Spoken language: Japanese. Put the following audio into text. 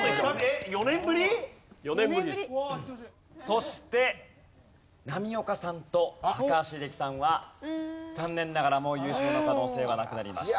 そして波岡さんと高橋英樹さんは残念ながらもう優勝の可能性はなくなりました。